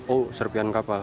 oh sepihan kapal